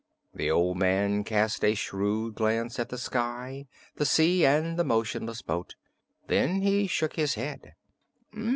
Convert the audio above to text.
The old man cast a shrewd glance at the sky, the sea and the motionless boat. Then he shook his head.